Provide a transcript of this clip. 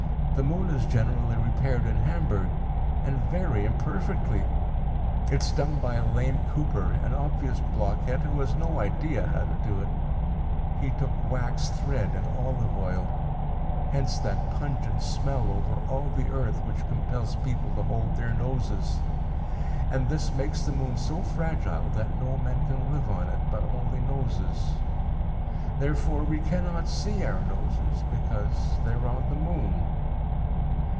The moon is generally repaired in Hamburg, and very imperfectly. It is done by a lame cooper, an obvious blockhead who has no idea how to do it. He took waxed thread and olive oil hence that pungent smell over all the earth which compels people to hold their noses. And this makes the moon so fragile that no men can live on it, but only noses. Therefore we cannot see our noses, because they are on the moon.